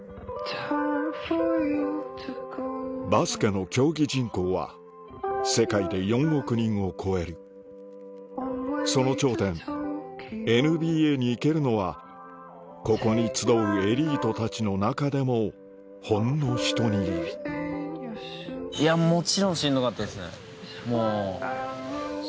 バスケの競技人口は世界で４億人を超えるその頂点ＮＢＡに行けるのはここに集うエリートたちの中でもほんのひと握りもう。